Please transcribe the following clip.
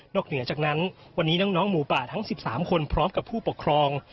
เหนือจากนั้นวันนี้น้องหมูป่าทั้ง๑๓คนพร้อมกับผู้ปกครอง